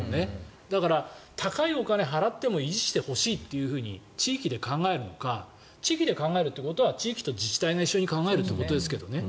だから、高いお金を払っても維持してほしいと地域で考えるのか地域で考えるということは地域と自治体が一緒に考えるということですけどね。